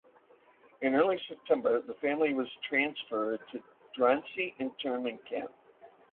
In early September the family was transferred to Drancy internment camp.